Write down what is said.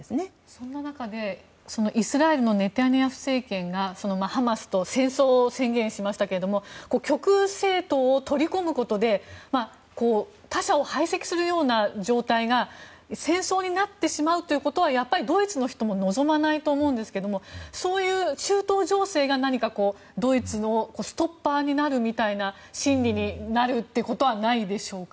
そんな中でイスラエルのネタニヤフ政権がハマスと戦争を宣言しましたけれども極右政党を取り込むことで他者を排斥するような状態が戦争になってしまうということはやっぱりドイツの人も望まないと思うんですがそういう中東情勢が何か、ドイツのストッパーになるみたいな心理になるってことはないでしょうか。